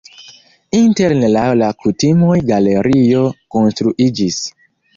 Interne laŭ la kutimoj galerio konstruiĝis.